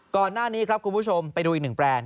ก่อนหน้านี้ครับคุณผู้ชมไปดูอีก๑แปลง